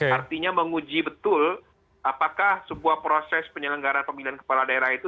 artinya menguji betul apakah sebuah proses penyelenggaraan pemilihan kepala daerah itu